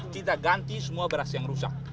kita ganti semua beras yang rusak